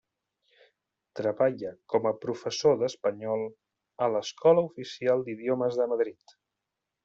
Treballa com a professor d'espanyol a l'Escola Oficial d'Idiomes de Madrid.